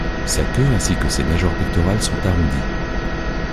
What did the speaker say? Sa queue ainsi que ses nageoires pectorales sont arrondies.